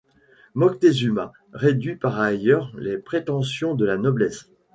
Moctezuma réduit par ailleurs les prétentions de la noblesse.